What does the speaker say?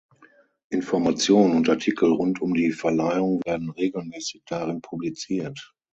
Informationen und Artikel rund um die Verleihungen werden regelmässig darin publiziert.